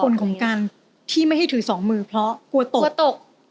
เป็นผลของการที่ไม่ให้ถือสองมือเพราะกลัวตก